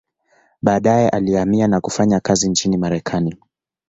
Baadaye alihamia na kufanya kazi nchini Marekani.